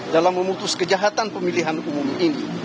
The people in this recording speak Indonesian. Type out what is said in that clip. dalam memutus kejahatan pemilihan umum ini